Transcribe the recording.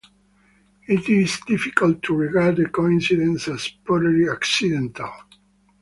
It is difficult to regard the coincidence as purely accidental.